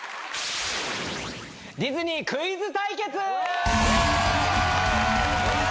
ディズニークイズ対決！